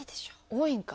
多いんか？